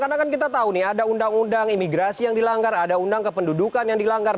karena kan kita tahu nih ada undang undang imigrasi yang dilanggar ada undang kependudukan yang dilanggar